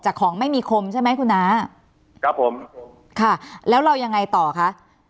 ของไม่มีคมใช่ไหมคุณน้าครับผมค่ะแล้วเรายังไงต่อคะ